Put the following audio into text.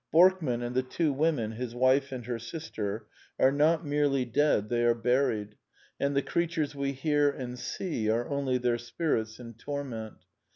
Borkman and the two women, his wife and her sister, are not merely dead : they are buried ; and the creatures we hear and see are only their spirits in torment.